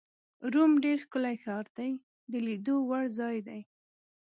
روم ډېر ښکلی ښار دی، د لیدو وړ ځای دی.